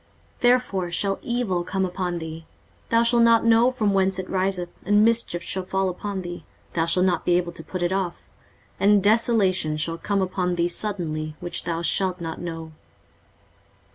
23:047:011 Therefore shall evil come upon thee; thou shalt not know from whence it riseth: and mischief shall fall upon thee; thou shalt not be able to put it off: and desolation shall come upon thee suddenly, which thou shalt not know.